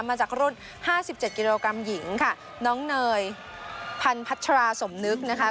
มาจากรุ่นห้าสิบเจ็ดกิโลกรัมหญิงค่ะน้องเนยพันพัชราสมนึกนะคะ